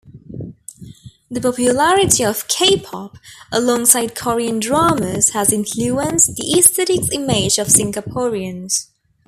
The popularity of K-pop alongside Korean dramas has influenced the aesthetics image of Singaporeans.